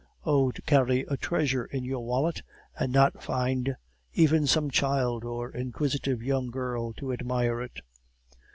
Oh! to carry a treasure in your wallet, and not find even some child, or inquisitive young girl, to admire it!